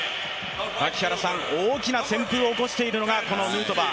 大きな旋風を起こしているのがこのヌートバー。